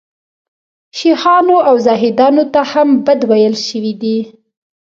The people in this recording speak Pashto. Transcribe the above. شیخانو او زاهدانو ته هم بد ویل شوي دي.